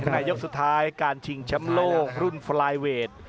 ในยกสุดท้ายการชิงแชมป์โลกรุ่นฟลายเวท